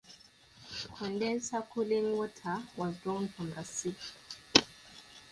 Condenser cooling water was drawn from the sea.